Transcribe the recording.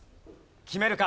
決めるか？